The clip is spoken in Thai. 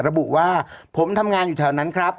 ระบุว่าผมทำงานอยู่แถวนั้นครับ